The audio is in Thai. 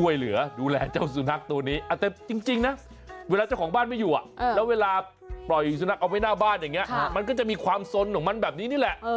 เวลาเจ้าของบ้านไม่อยู่แล้วเวลาปล่อยสุนัขเอาไปหน้าบ้านมันก็จะมีความสนของมันแบบนี้นี่แหละ